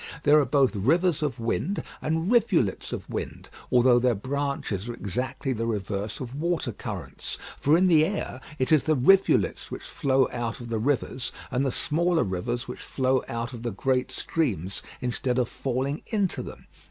There are both rivers of wind and rivulets of wind, although their branches are exactly the reverse of water currents: for in the air it is the rivulets which flow out of the rivers, and the smaller rivers which flow out of the great streams instead of falling into them.